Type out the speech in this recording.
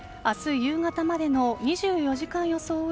明日夕方までの２４時間予想